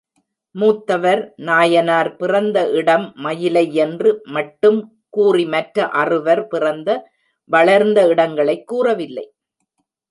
மூத்தவர் நாயனார் பிறந்த இடம் மயிலையென்று மட்டும் கூறி மற்ற அறுவர் பிறந்த, வளர்ந்த இடங்களைக் கூறவில்லை.